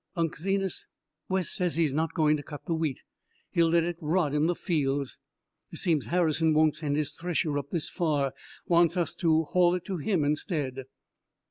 "Unc' Zenas, Wes says he's not going to cut the wheat; he'll let it rot in the fields. Seems Harrison won't send his thresher up this far; wants us to haul to him instead."